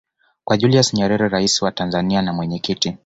kwa Julius Nyerere Rais wa Tanzania na mwenyekiti